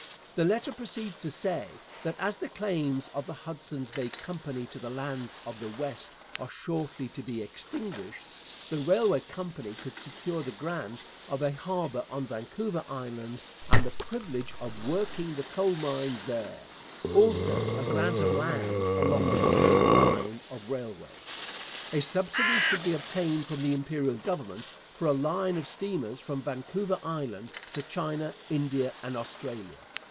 The letter proceeds to say that, as the claims of the Hudson's Bay Company to the lands of the West are shortly to be extinguished, the railway company could secure the grant of a harbour on Vancouver Island and the privilege of 'working the coal mines there'; also, 'a grant of land along the proposed line of railway.' A subsidy should be obtained from the Imperial Government for 'a line of steamers from Vancouver Island to China, India, and Australia.'